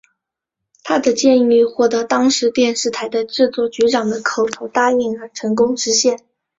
他的建议获得当时电视台的制作局长的口头答应而成功实现。